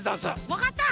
わかった！